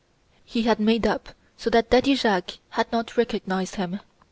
He had 'made up' so that Daddy Jacques had not recognised him.